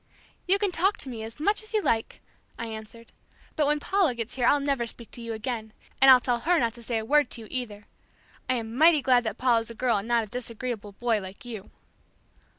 "You can talk to me as you like," I answered, "but when Paula gets here I'll never speak to you again, and I'll tell her not to say a word to you either. I am mighty glad that Paula's a girl and not a disagreeable boy like you."